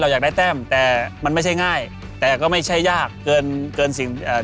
อยากได้แต้มแต่มันไม่ใช่ง่ายแต่ก็ไม่ใช่ยากเกินเกินสิ่งอ่า